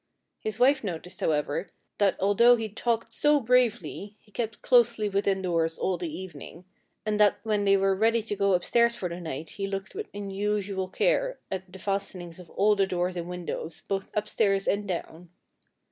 His wife noticed, however, that although he talked so bravely, he kept closely within doors all the evening, and that when they were ready to go upstairs for the night he looked with unusual care at the fastenings of all the doors and windows, both upstairs and down.